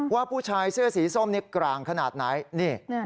ว่าผู้ชายเสื้อสีส้มนี่กลางขนาดไหนนี่